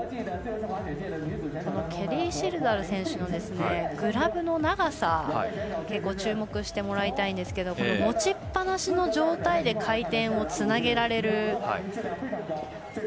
ケリー・シルダル選手のグラブの長さに注目してもらいたいんですけど持ちっぱなしの状態で回転をつなげられる。